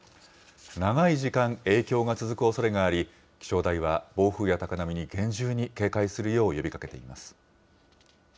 長い時間、影響が続くおそれがあり、気象台は暴風や高波に厳重に警戒するよう呼びかけています。